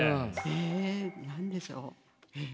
え何でしょう？